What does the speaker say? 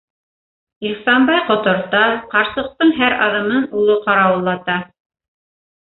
Ихсанбай ҡоторта, ҡарсыҡтың һәр аҙымын улы ҡарауыллата.